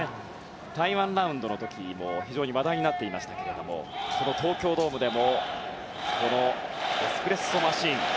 台湾ラウンドの時にも非常に話題になりましたが東京ドームでもエスプレッソマシン。